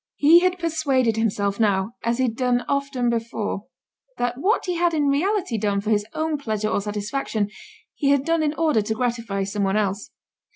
He had persuaded himself now, as he had done often before, that what he had in reality done for his own pleasure or satisfaction, he had done in order to gratify some one else.